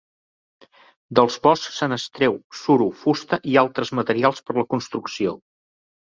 Dels boscs se n'extreu suro, fusta, i altres materials per la construcció.